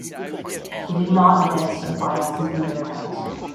She did not advance to the finals in either event.